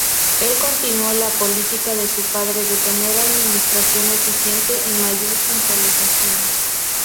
Él continuó la política de su padre de tener administración eficiente y mayor centralización.